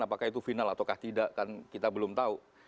apakah itu final atau tidak kan kita belum tahu